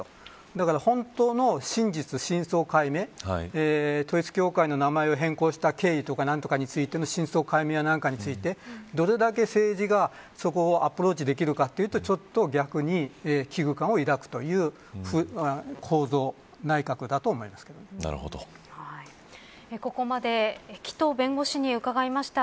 だから本当の真実、真相解明統一教会の名前を変更した経緯とか、何とかについての真相解明や何かについてどれだけ政治がそこをアプローチできるかというとちょっと逆に危惧感を抱くというここまで紀藤弁護士に伺いました。